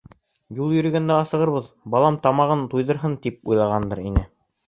Юл йөрөгәндә асығырбыҙ, балам тамағын туйҙырһын, тип уйлағандыр инде.